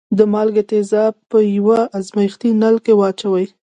د مالګې تیزاب په یوه ازمیښتي نل کې واچوئ.